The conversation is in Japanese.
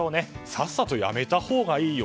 さっさと辞めたほうがいいよ。